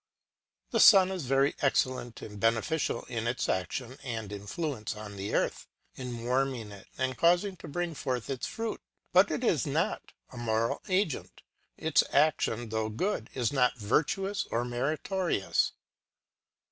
The sun is very excellent and beneficial in its action and influence on the earth, in warming it, and causing it to bring forth its fruits ; but it is not a moral agent : its action, though good, is not virtuous or meritorious.